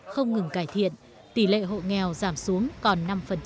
không ngừng cải thiện tỷ lệ hộ nghèo giảm xuống còn năm